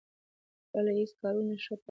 ډله ییز کارونه ښه پایله لري.